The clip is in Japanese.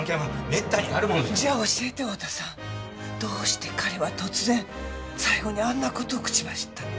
どうして彼は突然最後にあんな事を口走ったの？